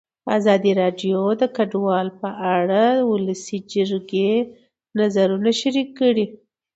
ازادي راډیو د کډوال په اړه د ولسي جرګې نظرونه شریک کړي.